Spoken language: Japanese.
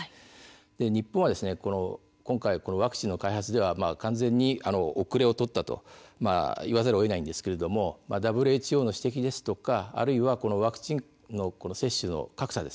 日本は今回ワクチンの開発では完全に遅れをとったと言わざるをえないんですがＷＨＯの指摘ですとかあるいはワクチンの接種の格差